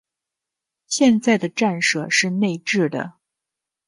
现在的站舍是内置的。